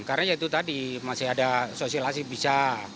karena ya itu tadi masih ada sosialisasi bisa